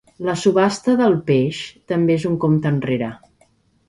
La subhasta del peix també és un compte enrere.